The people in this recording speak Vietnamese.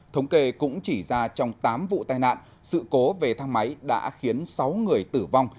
thống kê cũng chỉ ra trong tám vụ tai nạn sự cố về thang máy đã khiến sáu người tử vong